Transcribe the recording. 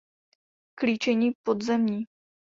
Klíčení podzemní.